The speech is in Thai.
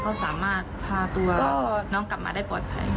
เขาสามารถพาตัวน้องกลับมาได้ปลอดภัย